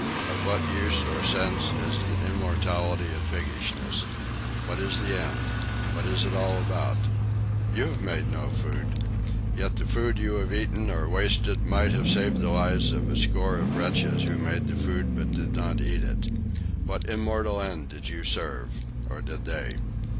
Of what use or sense is an immortality of piggishness? What is the end? What is it all about? You have made no food. Yet the food you have eaten or wasted might have saved the lives of a score of wretches who made the food but did not eat it. What immortal end did you serve? or did they?